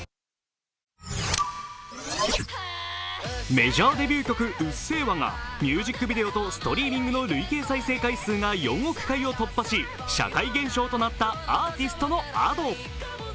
メジャーデビュー曲「うっせぇわ」がミュージックビデオとストリーミングの累計再生回数が４億回を突破し、社会現象となったアーティストのＡｄｏ。